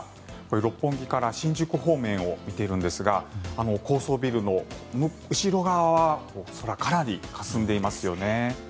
六本木から新宿方面を見ているんですが高層ビルの後ろ側は空、かなりかすんでいますよね。